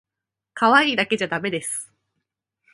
かわいいだけじゃだめです